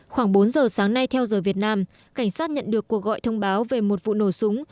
khoảng bốn giờ sáng nay theo giờ việt nam cảnh sát nhận được cuộc gọi thông báo về một vụ nổ súng